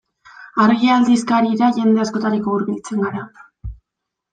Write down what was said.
Argia aldizkarira jende askotarikoa hurbiltzen gara.